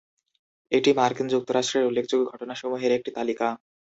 এটি মার্কিন যুক্তরাষ্ট্রের উল্লেখযোগ্য ঘটনাসমূহের একটি তালিকা।